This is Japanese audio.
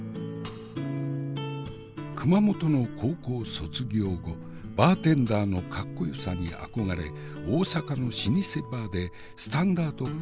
熊本の高校卒業後バーテンダーのかっこよさに憧れ大阪の老舗バーでスタンダードカクテルを修業。